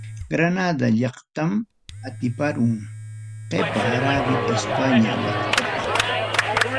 Granada llaqtam atiparun, qipa Árabe España llaqtata.